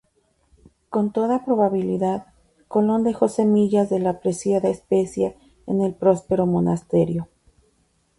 Con toda probabilidad, Colón dejó semillas de la preciada especia en el próspero monasterio.